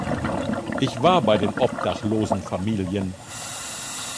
Ich war bei den obdachlosen Familien.